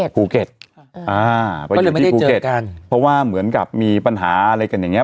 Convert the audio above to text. ภูเก็ตไปอยู่ที่ภูเก็ตเพราะว่าเหมือนกับมีปัญหาอะไรกันอย่างเง